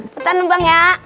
pertanyaan bang ya